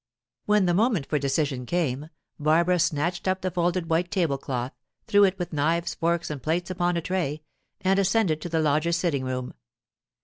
When the moment for decision came, Barbara snatched up the folded white table cloth, threw it with knives, forks, and plates upon a tray, and ascended to the lodger's sitting room.